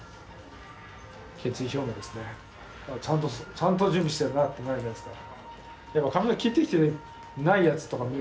ちゃんと準備してるなってなるじゃないですか。